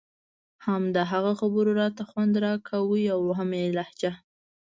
هم د هغه خبرو راته خوند راکاوه او هم يې لهجه.